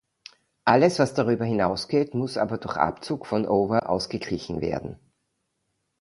Alles, was darüber hinausgeht, muss aber durch Abzug von Over ausgeglichen werden.